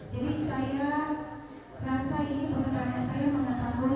sehingga saudara pakai alasan